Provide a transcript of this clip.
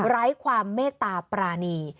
ไร้ความเมตตาปรานี